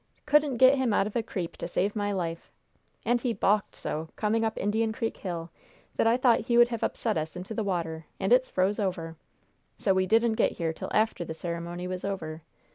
Couldn't get him out of a creep to save my life! And he balked so, coming up Indian Creek Hill, that I thought he would have upset us into the water and it froze over! So we didn't get here till after the ceremony was over.